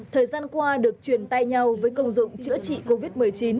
thời gian qua được truyền tay nhau với công dụng chữa trị covid một mươi chín